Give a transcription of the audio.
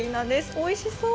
おいしそう。